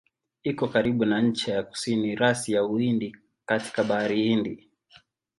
Iko karibu na ncha ya kusini ya rasi ya Uhindi katika Bahari Hindi.